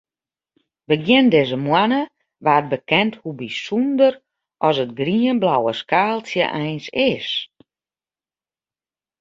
Begjin dizze moanne waard bekend hoe bysûnder as it grienblauwe skaaltsje eins is.